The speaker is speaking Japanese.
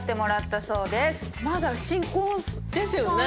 まだ新婚さんですよね。